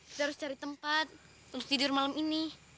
kita harus cari tempat terus tidur malam ini